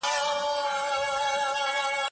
دولت باید د اقتصاد ملاتړ وکړي.